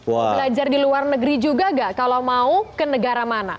belajar di luar negeri juga nggak kalau mau ke negara mana